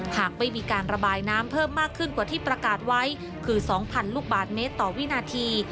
หากไม่มีการระบายน้ำเพิ่มมากขึ้นกว่าที่ประกาศไว้คือ๒๐๐ลูกบาทเมตรต่อวินาที